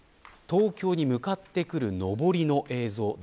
東京に向かってくる上りの映像